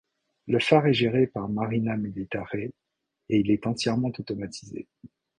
Le phare est géré par Marina Militare et il est entièrement automatisé.